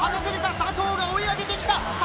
佐藤が追い上げてきた！